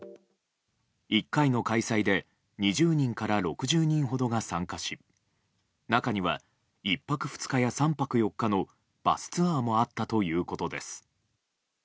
１回の開催で２０人から６０人ほどが参加し中には１泊２日や３泊４日のバスツアーもあったということです。